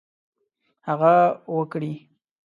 هغه وکړي.